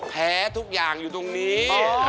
แพ้ทุกอย่างอยู่ตรงนี้